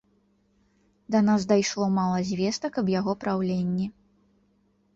Да нас дайшло мала звестак аб яго праўленні.